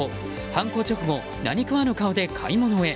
犯行直後、何食わぬ顔で買い物へ。